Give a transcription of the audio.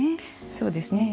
そうですね。